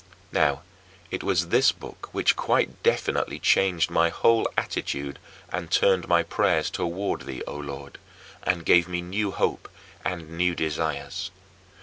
Now it was this book which quite definitely changed my whole attitude and turned my prayers toward thee, O Lord, and gave me new hope and new desires.